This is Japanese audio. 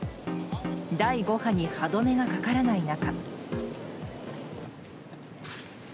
第５波に歯止めがかからない中。